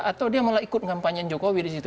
atau dia malah ikut kampanye jokowi di situ